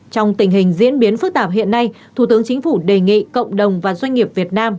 trong tình hình diễn biến phức tạp hiện nay thủ tướng chính phủ đề nghị cộng đồng và doanh nghiệp việt nam